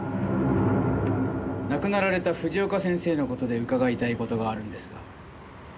亡くなられた藤岡先生の事で伺いたい事があるんですが。